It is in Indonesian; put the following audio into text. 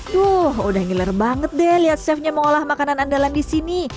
duh udah ngiler banget deh liat chefnya mengolah makanan andalan disini